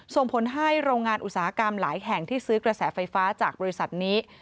ส่งผลให้โรงงานอุตสาหกรรมหลายแห่งที่ซื้อกระแสไฟฟ้าจากบริษัทนี้